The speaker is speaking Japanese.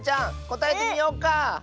こたえてみようか！